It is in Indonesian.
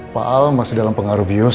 pak al masih dalam pengaruh bius